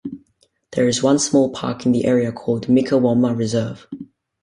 There is one small park in the area called, Mikawomma Reserve.